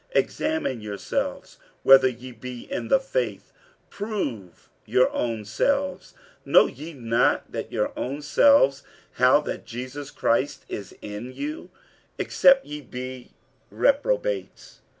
47:013:005 Examine yourselves, whether ye be in the faith; prove your own selves. Know ye not your own selves, how that Jesus Christ is in you, except ye be reprobates?